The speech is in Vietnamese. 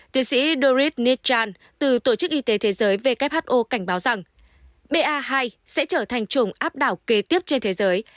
tiến sĩ dorit neitran từ tổ chức y tế thế giới who cảnh báo rằng ba hai sẽ trở thành chủng áp đảo kế tiếp trên thế giới